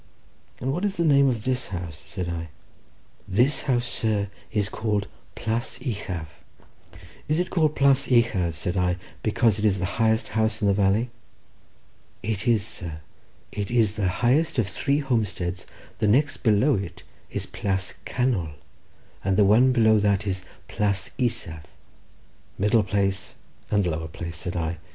"And what is the name of this house?" said I. "This house, sir, is called Plas Uchaf." "Is it called Plas Uchaf," said I, "because it is the highest house in the valley?" "It is, sir; it is the highest of three homesteads; the next below it is Plas Canol—and the one below that Plas Isaf." "Middle place and lower place," said I.